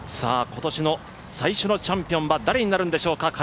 今年の最初のチャンピオンは誰になるんでしょうか。